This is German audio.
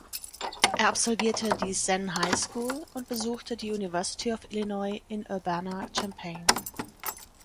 Er absolvierte die Senn High School und besuchte die University of Illinois in Urbana-Champaign.